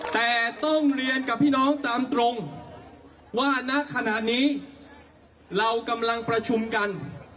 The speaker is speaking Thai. แต่ต้องเรียนกับพี่น้องตามตรงว่าณขณะนี้เรากำลังประชุมกัน